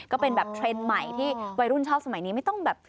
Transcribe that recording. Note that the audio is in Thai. ก็เป็นแบบเทรนด์ใหม่ที่วัยรุ่นชอบสมัยนี้ไม่ต้องแบบ